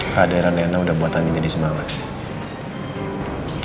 kesadaran reina udah buat kamu jadi semangat